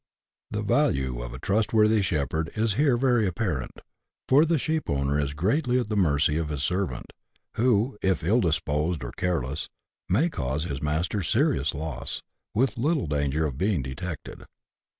The value of a trust worthy shepherd is here very apparent, for the sheepowner is greatly at the mercy of his servant, who, if ill disposed or CHAP, v.] THE SCAB. 65 careless, may cause his master serious loss, with little danger of being detected.